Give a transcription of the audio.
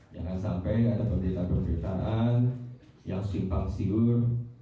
jangan sampai ada penderitaan pemberitaan yang simpang siur